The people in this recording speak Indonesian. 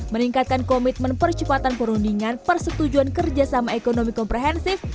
meningkatkan komitmen percepatan perundingan persetujuan kerja sama ekonomi komprehensif